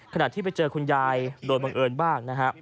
ขนาดที่ไปเจอคุณยายโดนบังเอิญบ้าง